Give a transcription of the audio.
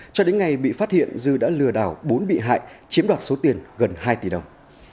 cho đến ngày bị phát hiện dư đã lừa đảo bốn bị hại chiếm đoạt số tiền gần hai tỷ đồng